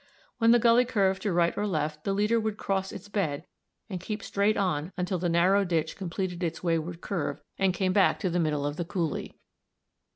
When the gully curved to right or left the leader would cross its bed and keep straight on until the narrow ditch completed its wayward curve and came back to the middle of the coulée.